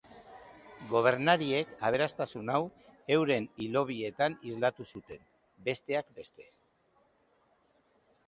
Gobernariek aberastasun hau euren hilobietan islatu zuten, besteak beste.